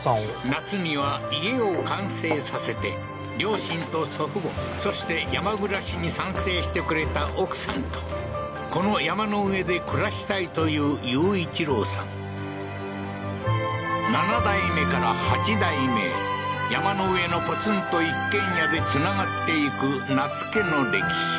夏には家を完成させて両親と祖父母そして山暮らしに賛成してくれた奥さんとこの山の上で暮らしたいという優一郎さん７代目から８代目へ山の上のポツンと一軒家でつながっていく那須家の歴史